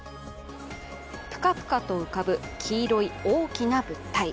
ぷかぷかと浮かぶ黄色い大きな物体。